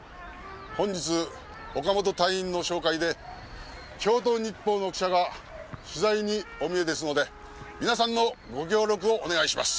本日岡本隊員の紹介で京都日報の記者が取材におみえですので皆さんのご協力をお願いします。